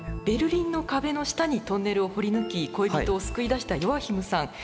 ベルリンの壁の下にトンネルを掘り抜き恋人を救い出したヨアヒムさん。